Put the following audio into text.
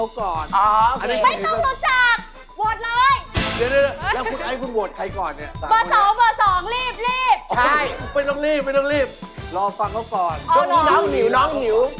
โอ้คนกลางค่ะคนกลาง